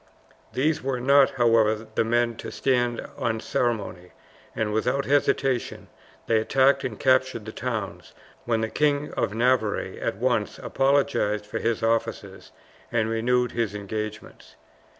These were not, however, the men to stand on ceremony, and without hesitation they attacked and captured the towns, when the King of Navarre at once apologized for his officers, and renewed his engagements.